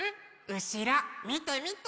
うしろみてみて！